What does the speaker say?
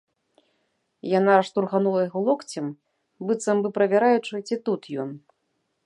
Яна штурханула яго локцем, быццам бы правяраючы, ці тут ён.